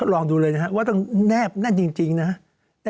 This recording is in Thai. ลองดูเลยนะครับว่าต้องแนบแน่นจริงนะครับ